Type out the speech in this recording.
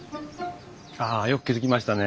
ああよく気付きましたね。